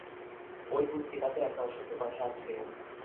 ঐ পুস্তিকাতে একটা অসত্য কথা আছে।